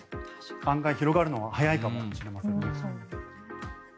案外広がるのは早いかもしれませんね。